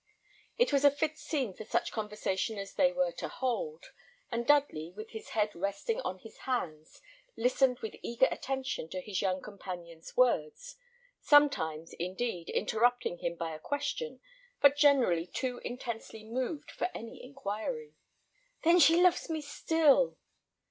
It was a fit scene for such conversation as they were to hold, and Dudley, with his head resting on his hands, listened with eager attention to his young companion's words, sometimes, indeed, interrupting him by a question, but generally too intensely moved for any inquiry. "Then she loves me still!" he said: "then she loves me still!"